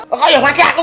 oh kamu yang mati aku